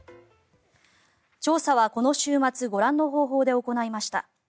調査はこの週末ご覧の方法で行いました。